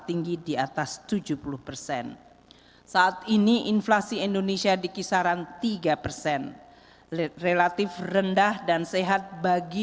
tinggi di atas tujuh puluh persen saat ini inflasi indonesia di kisaran tiga persen relatif rendah dan sehat bagi